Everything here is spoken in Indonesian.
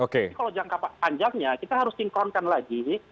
kalau jangka panjangnya kita harus singkronkan lagi